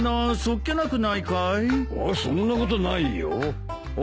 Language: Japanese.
そんなことないよ。